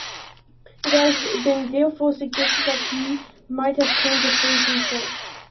It has been therefore suggested that he might have coined the phrase himself.